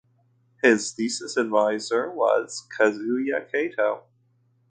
His thesis advisor was Kazuya Kato.